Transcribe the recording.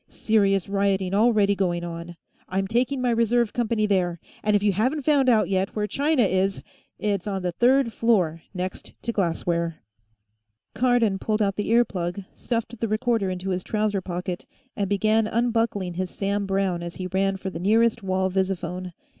Serious rioting already going on; I'm taking my reserve company there. And if you haven't found out, yet, where China is, it's on the third floor, next to Glassware." Cardon pulled out the ear plug, stuffed the recorder into his trouser pocket, and began unbuckling his Sam Browne as he ran for the nearest wall visiphone.